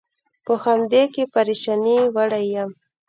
په همدې کې پرېشانۍ وړی یم.